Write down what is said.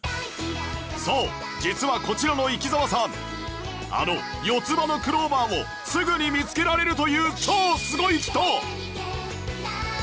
そう実はこちらの生澤さんあの四つ葉のクローバーをすぐに見つけられるという超すごい人！